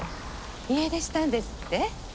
家出したんですって？